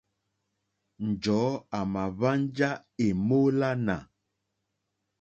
Njɔ̀ɔ́ àmà hwánjá èmólánà.